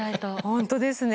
本当ですね。